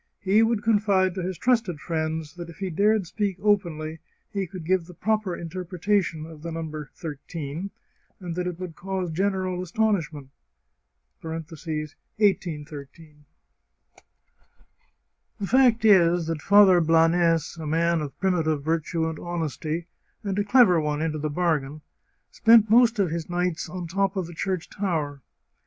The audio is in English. He would confide to his trusted friends that if he dared speak openly he could give the proper interpretation of the number thirteen, and that it would cause general astonishment (1813). The fact is that Father Blanes — a man of primitive vir tue and honesty, and a clever one into the bargain — spent 15 The Chartreuse of Parma most of his nights on the top of his church tower.